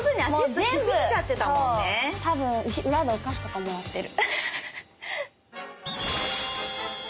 多分裏でお菓子とかもらってる。